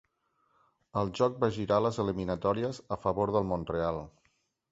El joc va girar les eliminatòries a favor del Montreal.